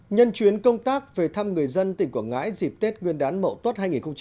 nhân chuyến công tác về thăm người dân tỉnh quảng ngãi dịp tết nguyên đán mậu tuất hai nghìn hai mươi